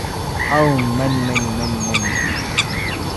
Oh many many many many.